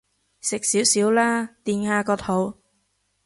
食少少啦，墊下個肚